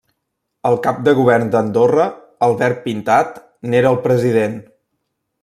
El Cap de Govern d'Andorra, Albert Pintat, n'era el President.